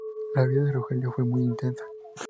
La vida de Rogelio fue muy intensa.